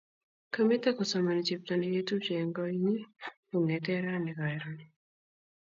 kamito kosomani chepto ne kitupche eng' konnyi kongetee raini karon